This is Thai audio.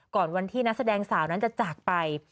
ก่อนวันที่นักแสดงสาวนั้นจะจากไป